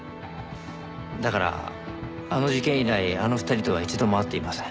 だからあの事件以来あの２人とは一度も会っていません。